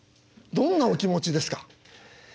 どんなお気持ちですか。